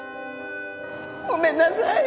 ごめんなさい。